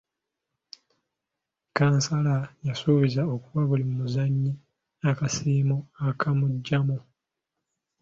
Kansala y’asuubiza okuwa buli muzannyi akasiimo akamugyamu.